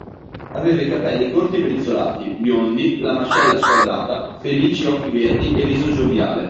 Aveva capelli corti e brizzolati, biondi, la mascella squadrata, felici occhi verdi e viso gioviale.